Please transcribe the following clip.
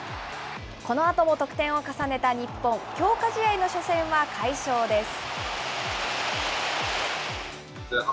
このあとも得点を重ねた日本、強化試合の初戦は快勝です。